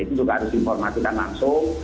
itu juga harus diinformasikan langsung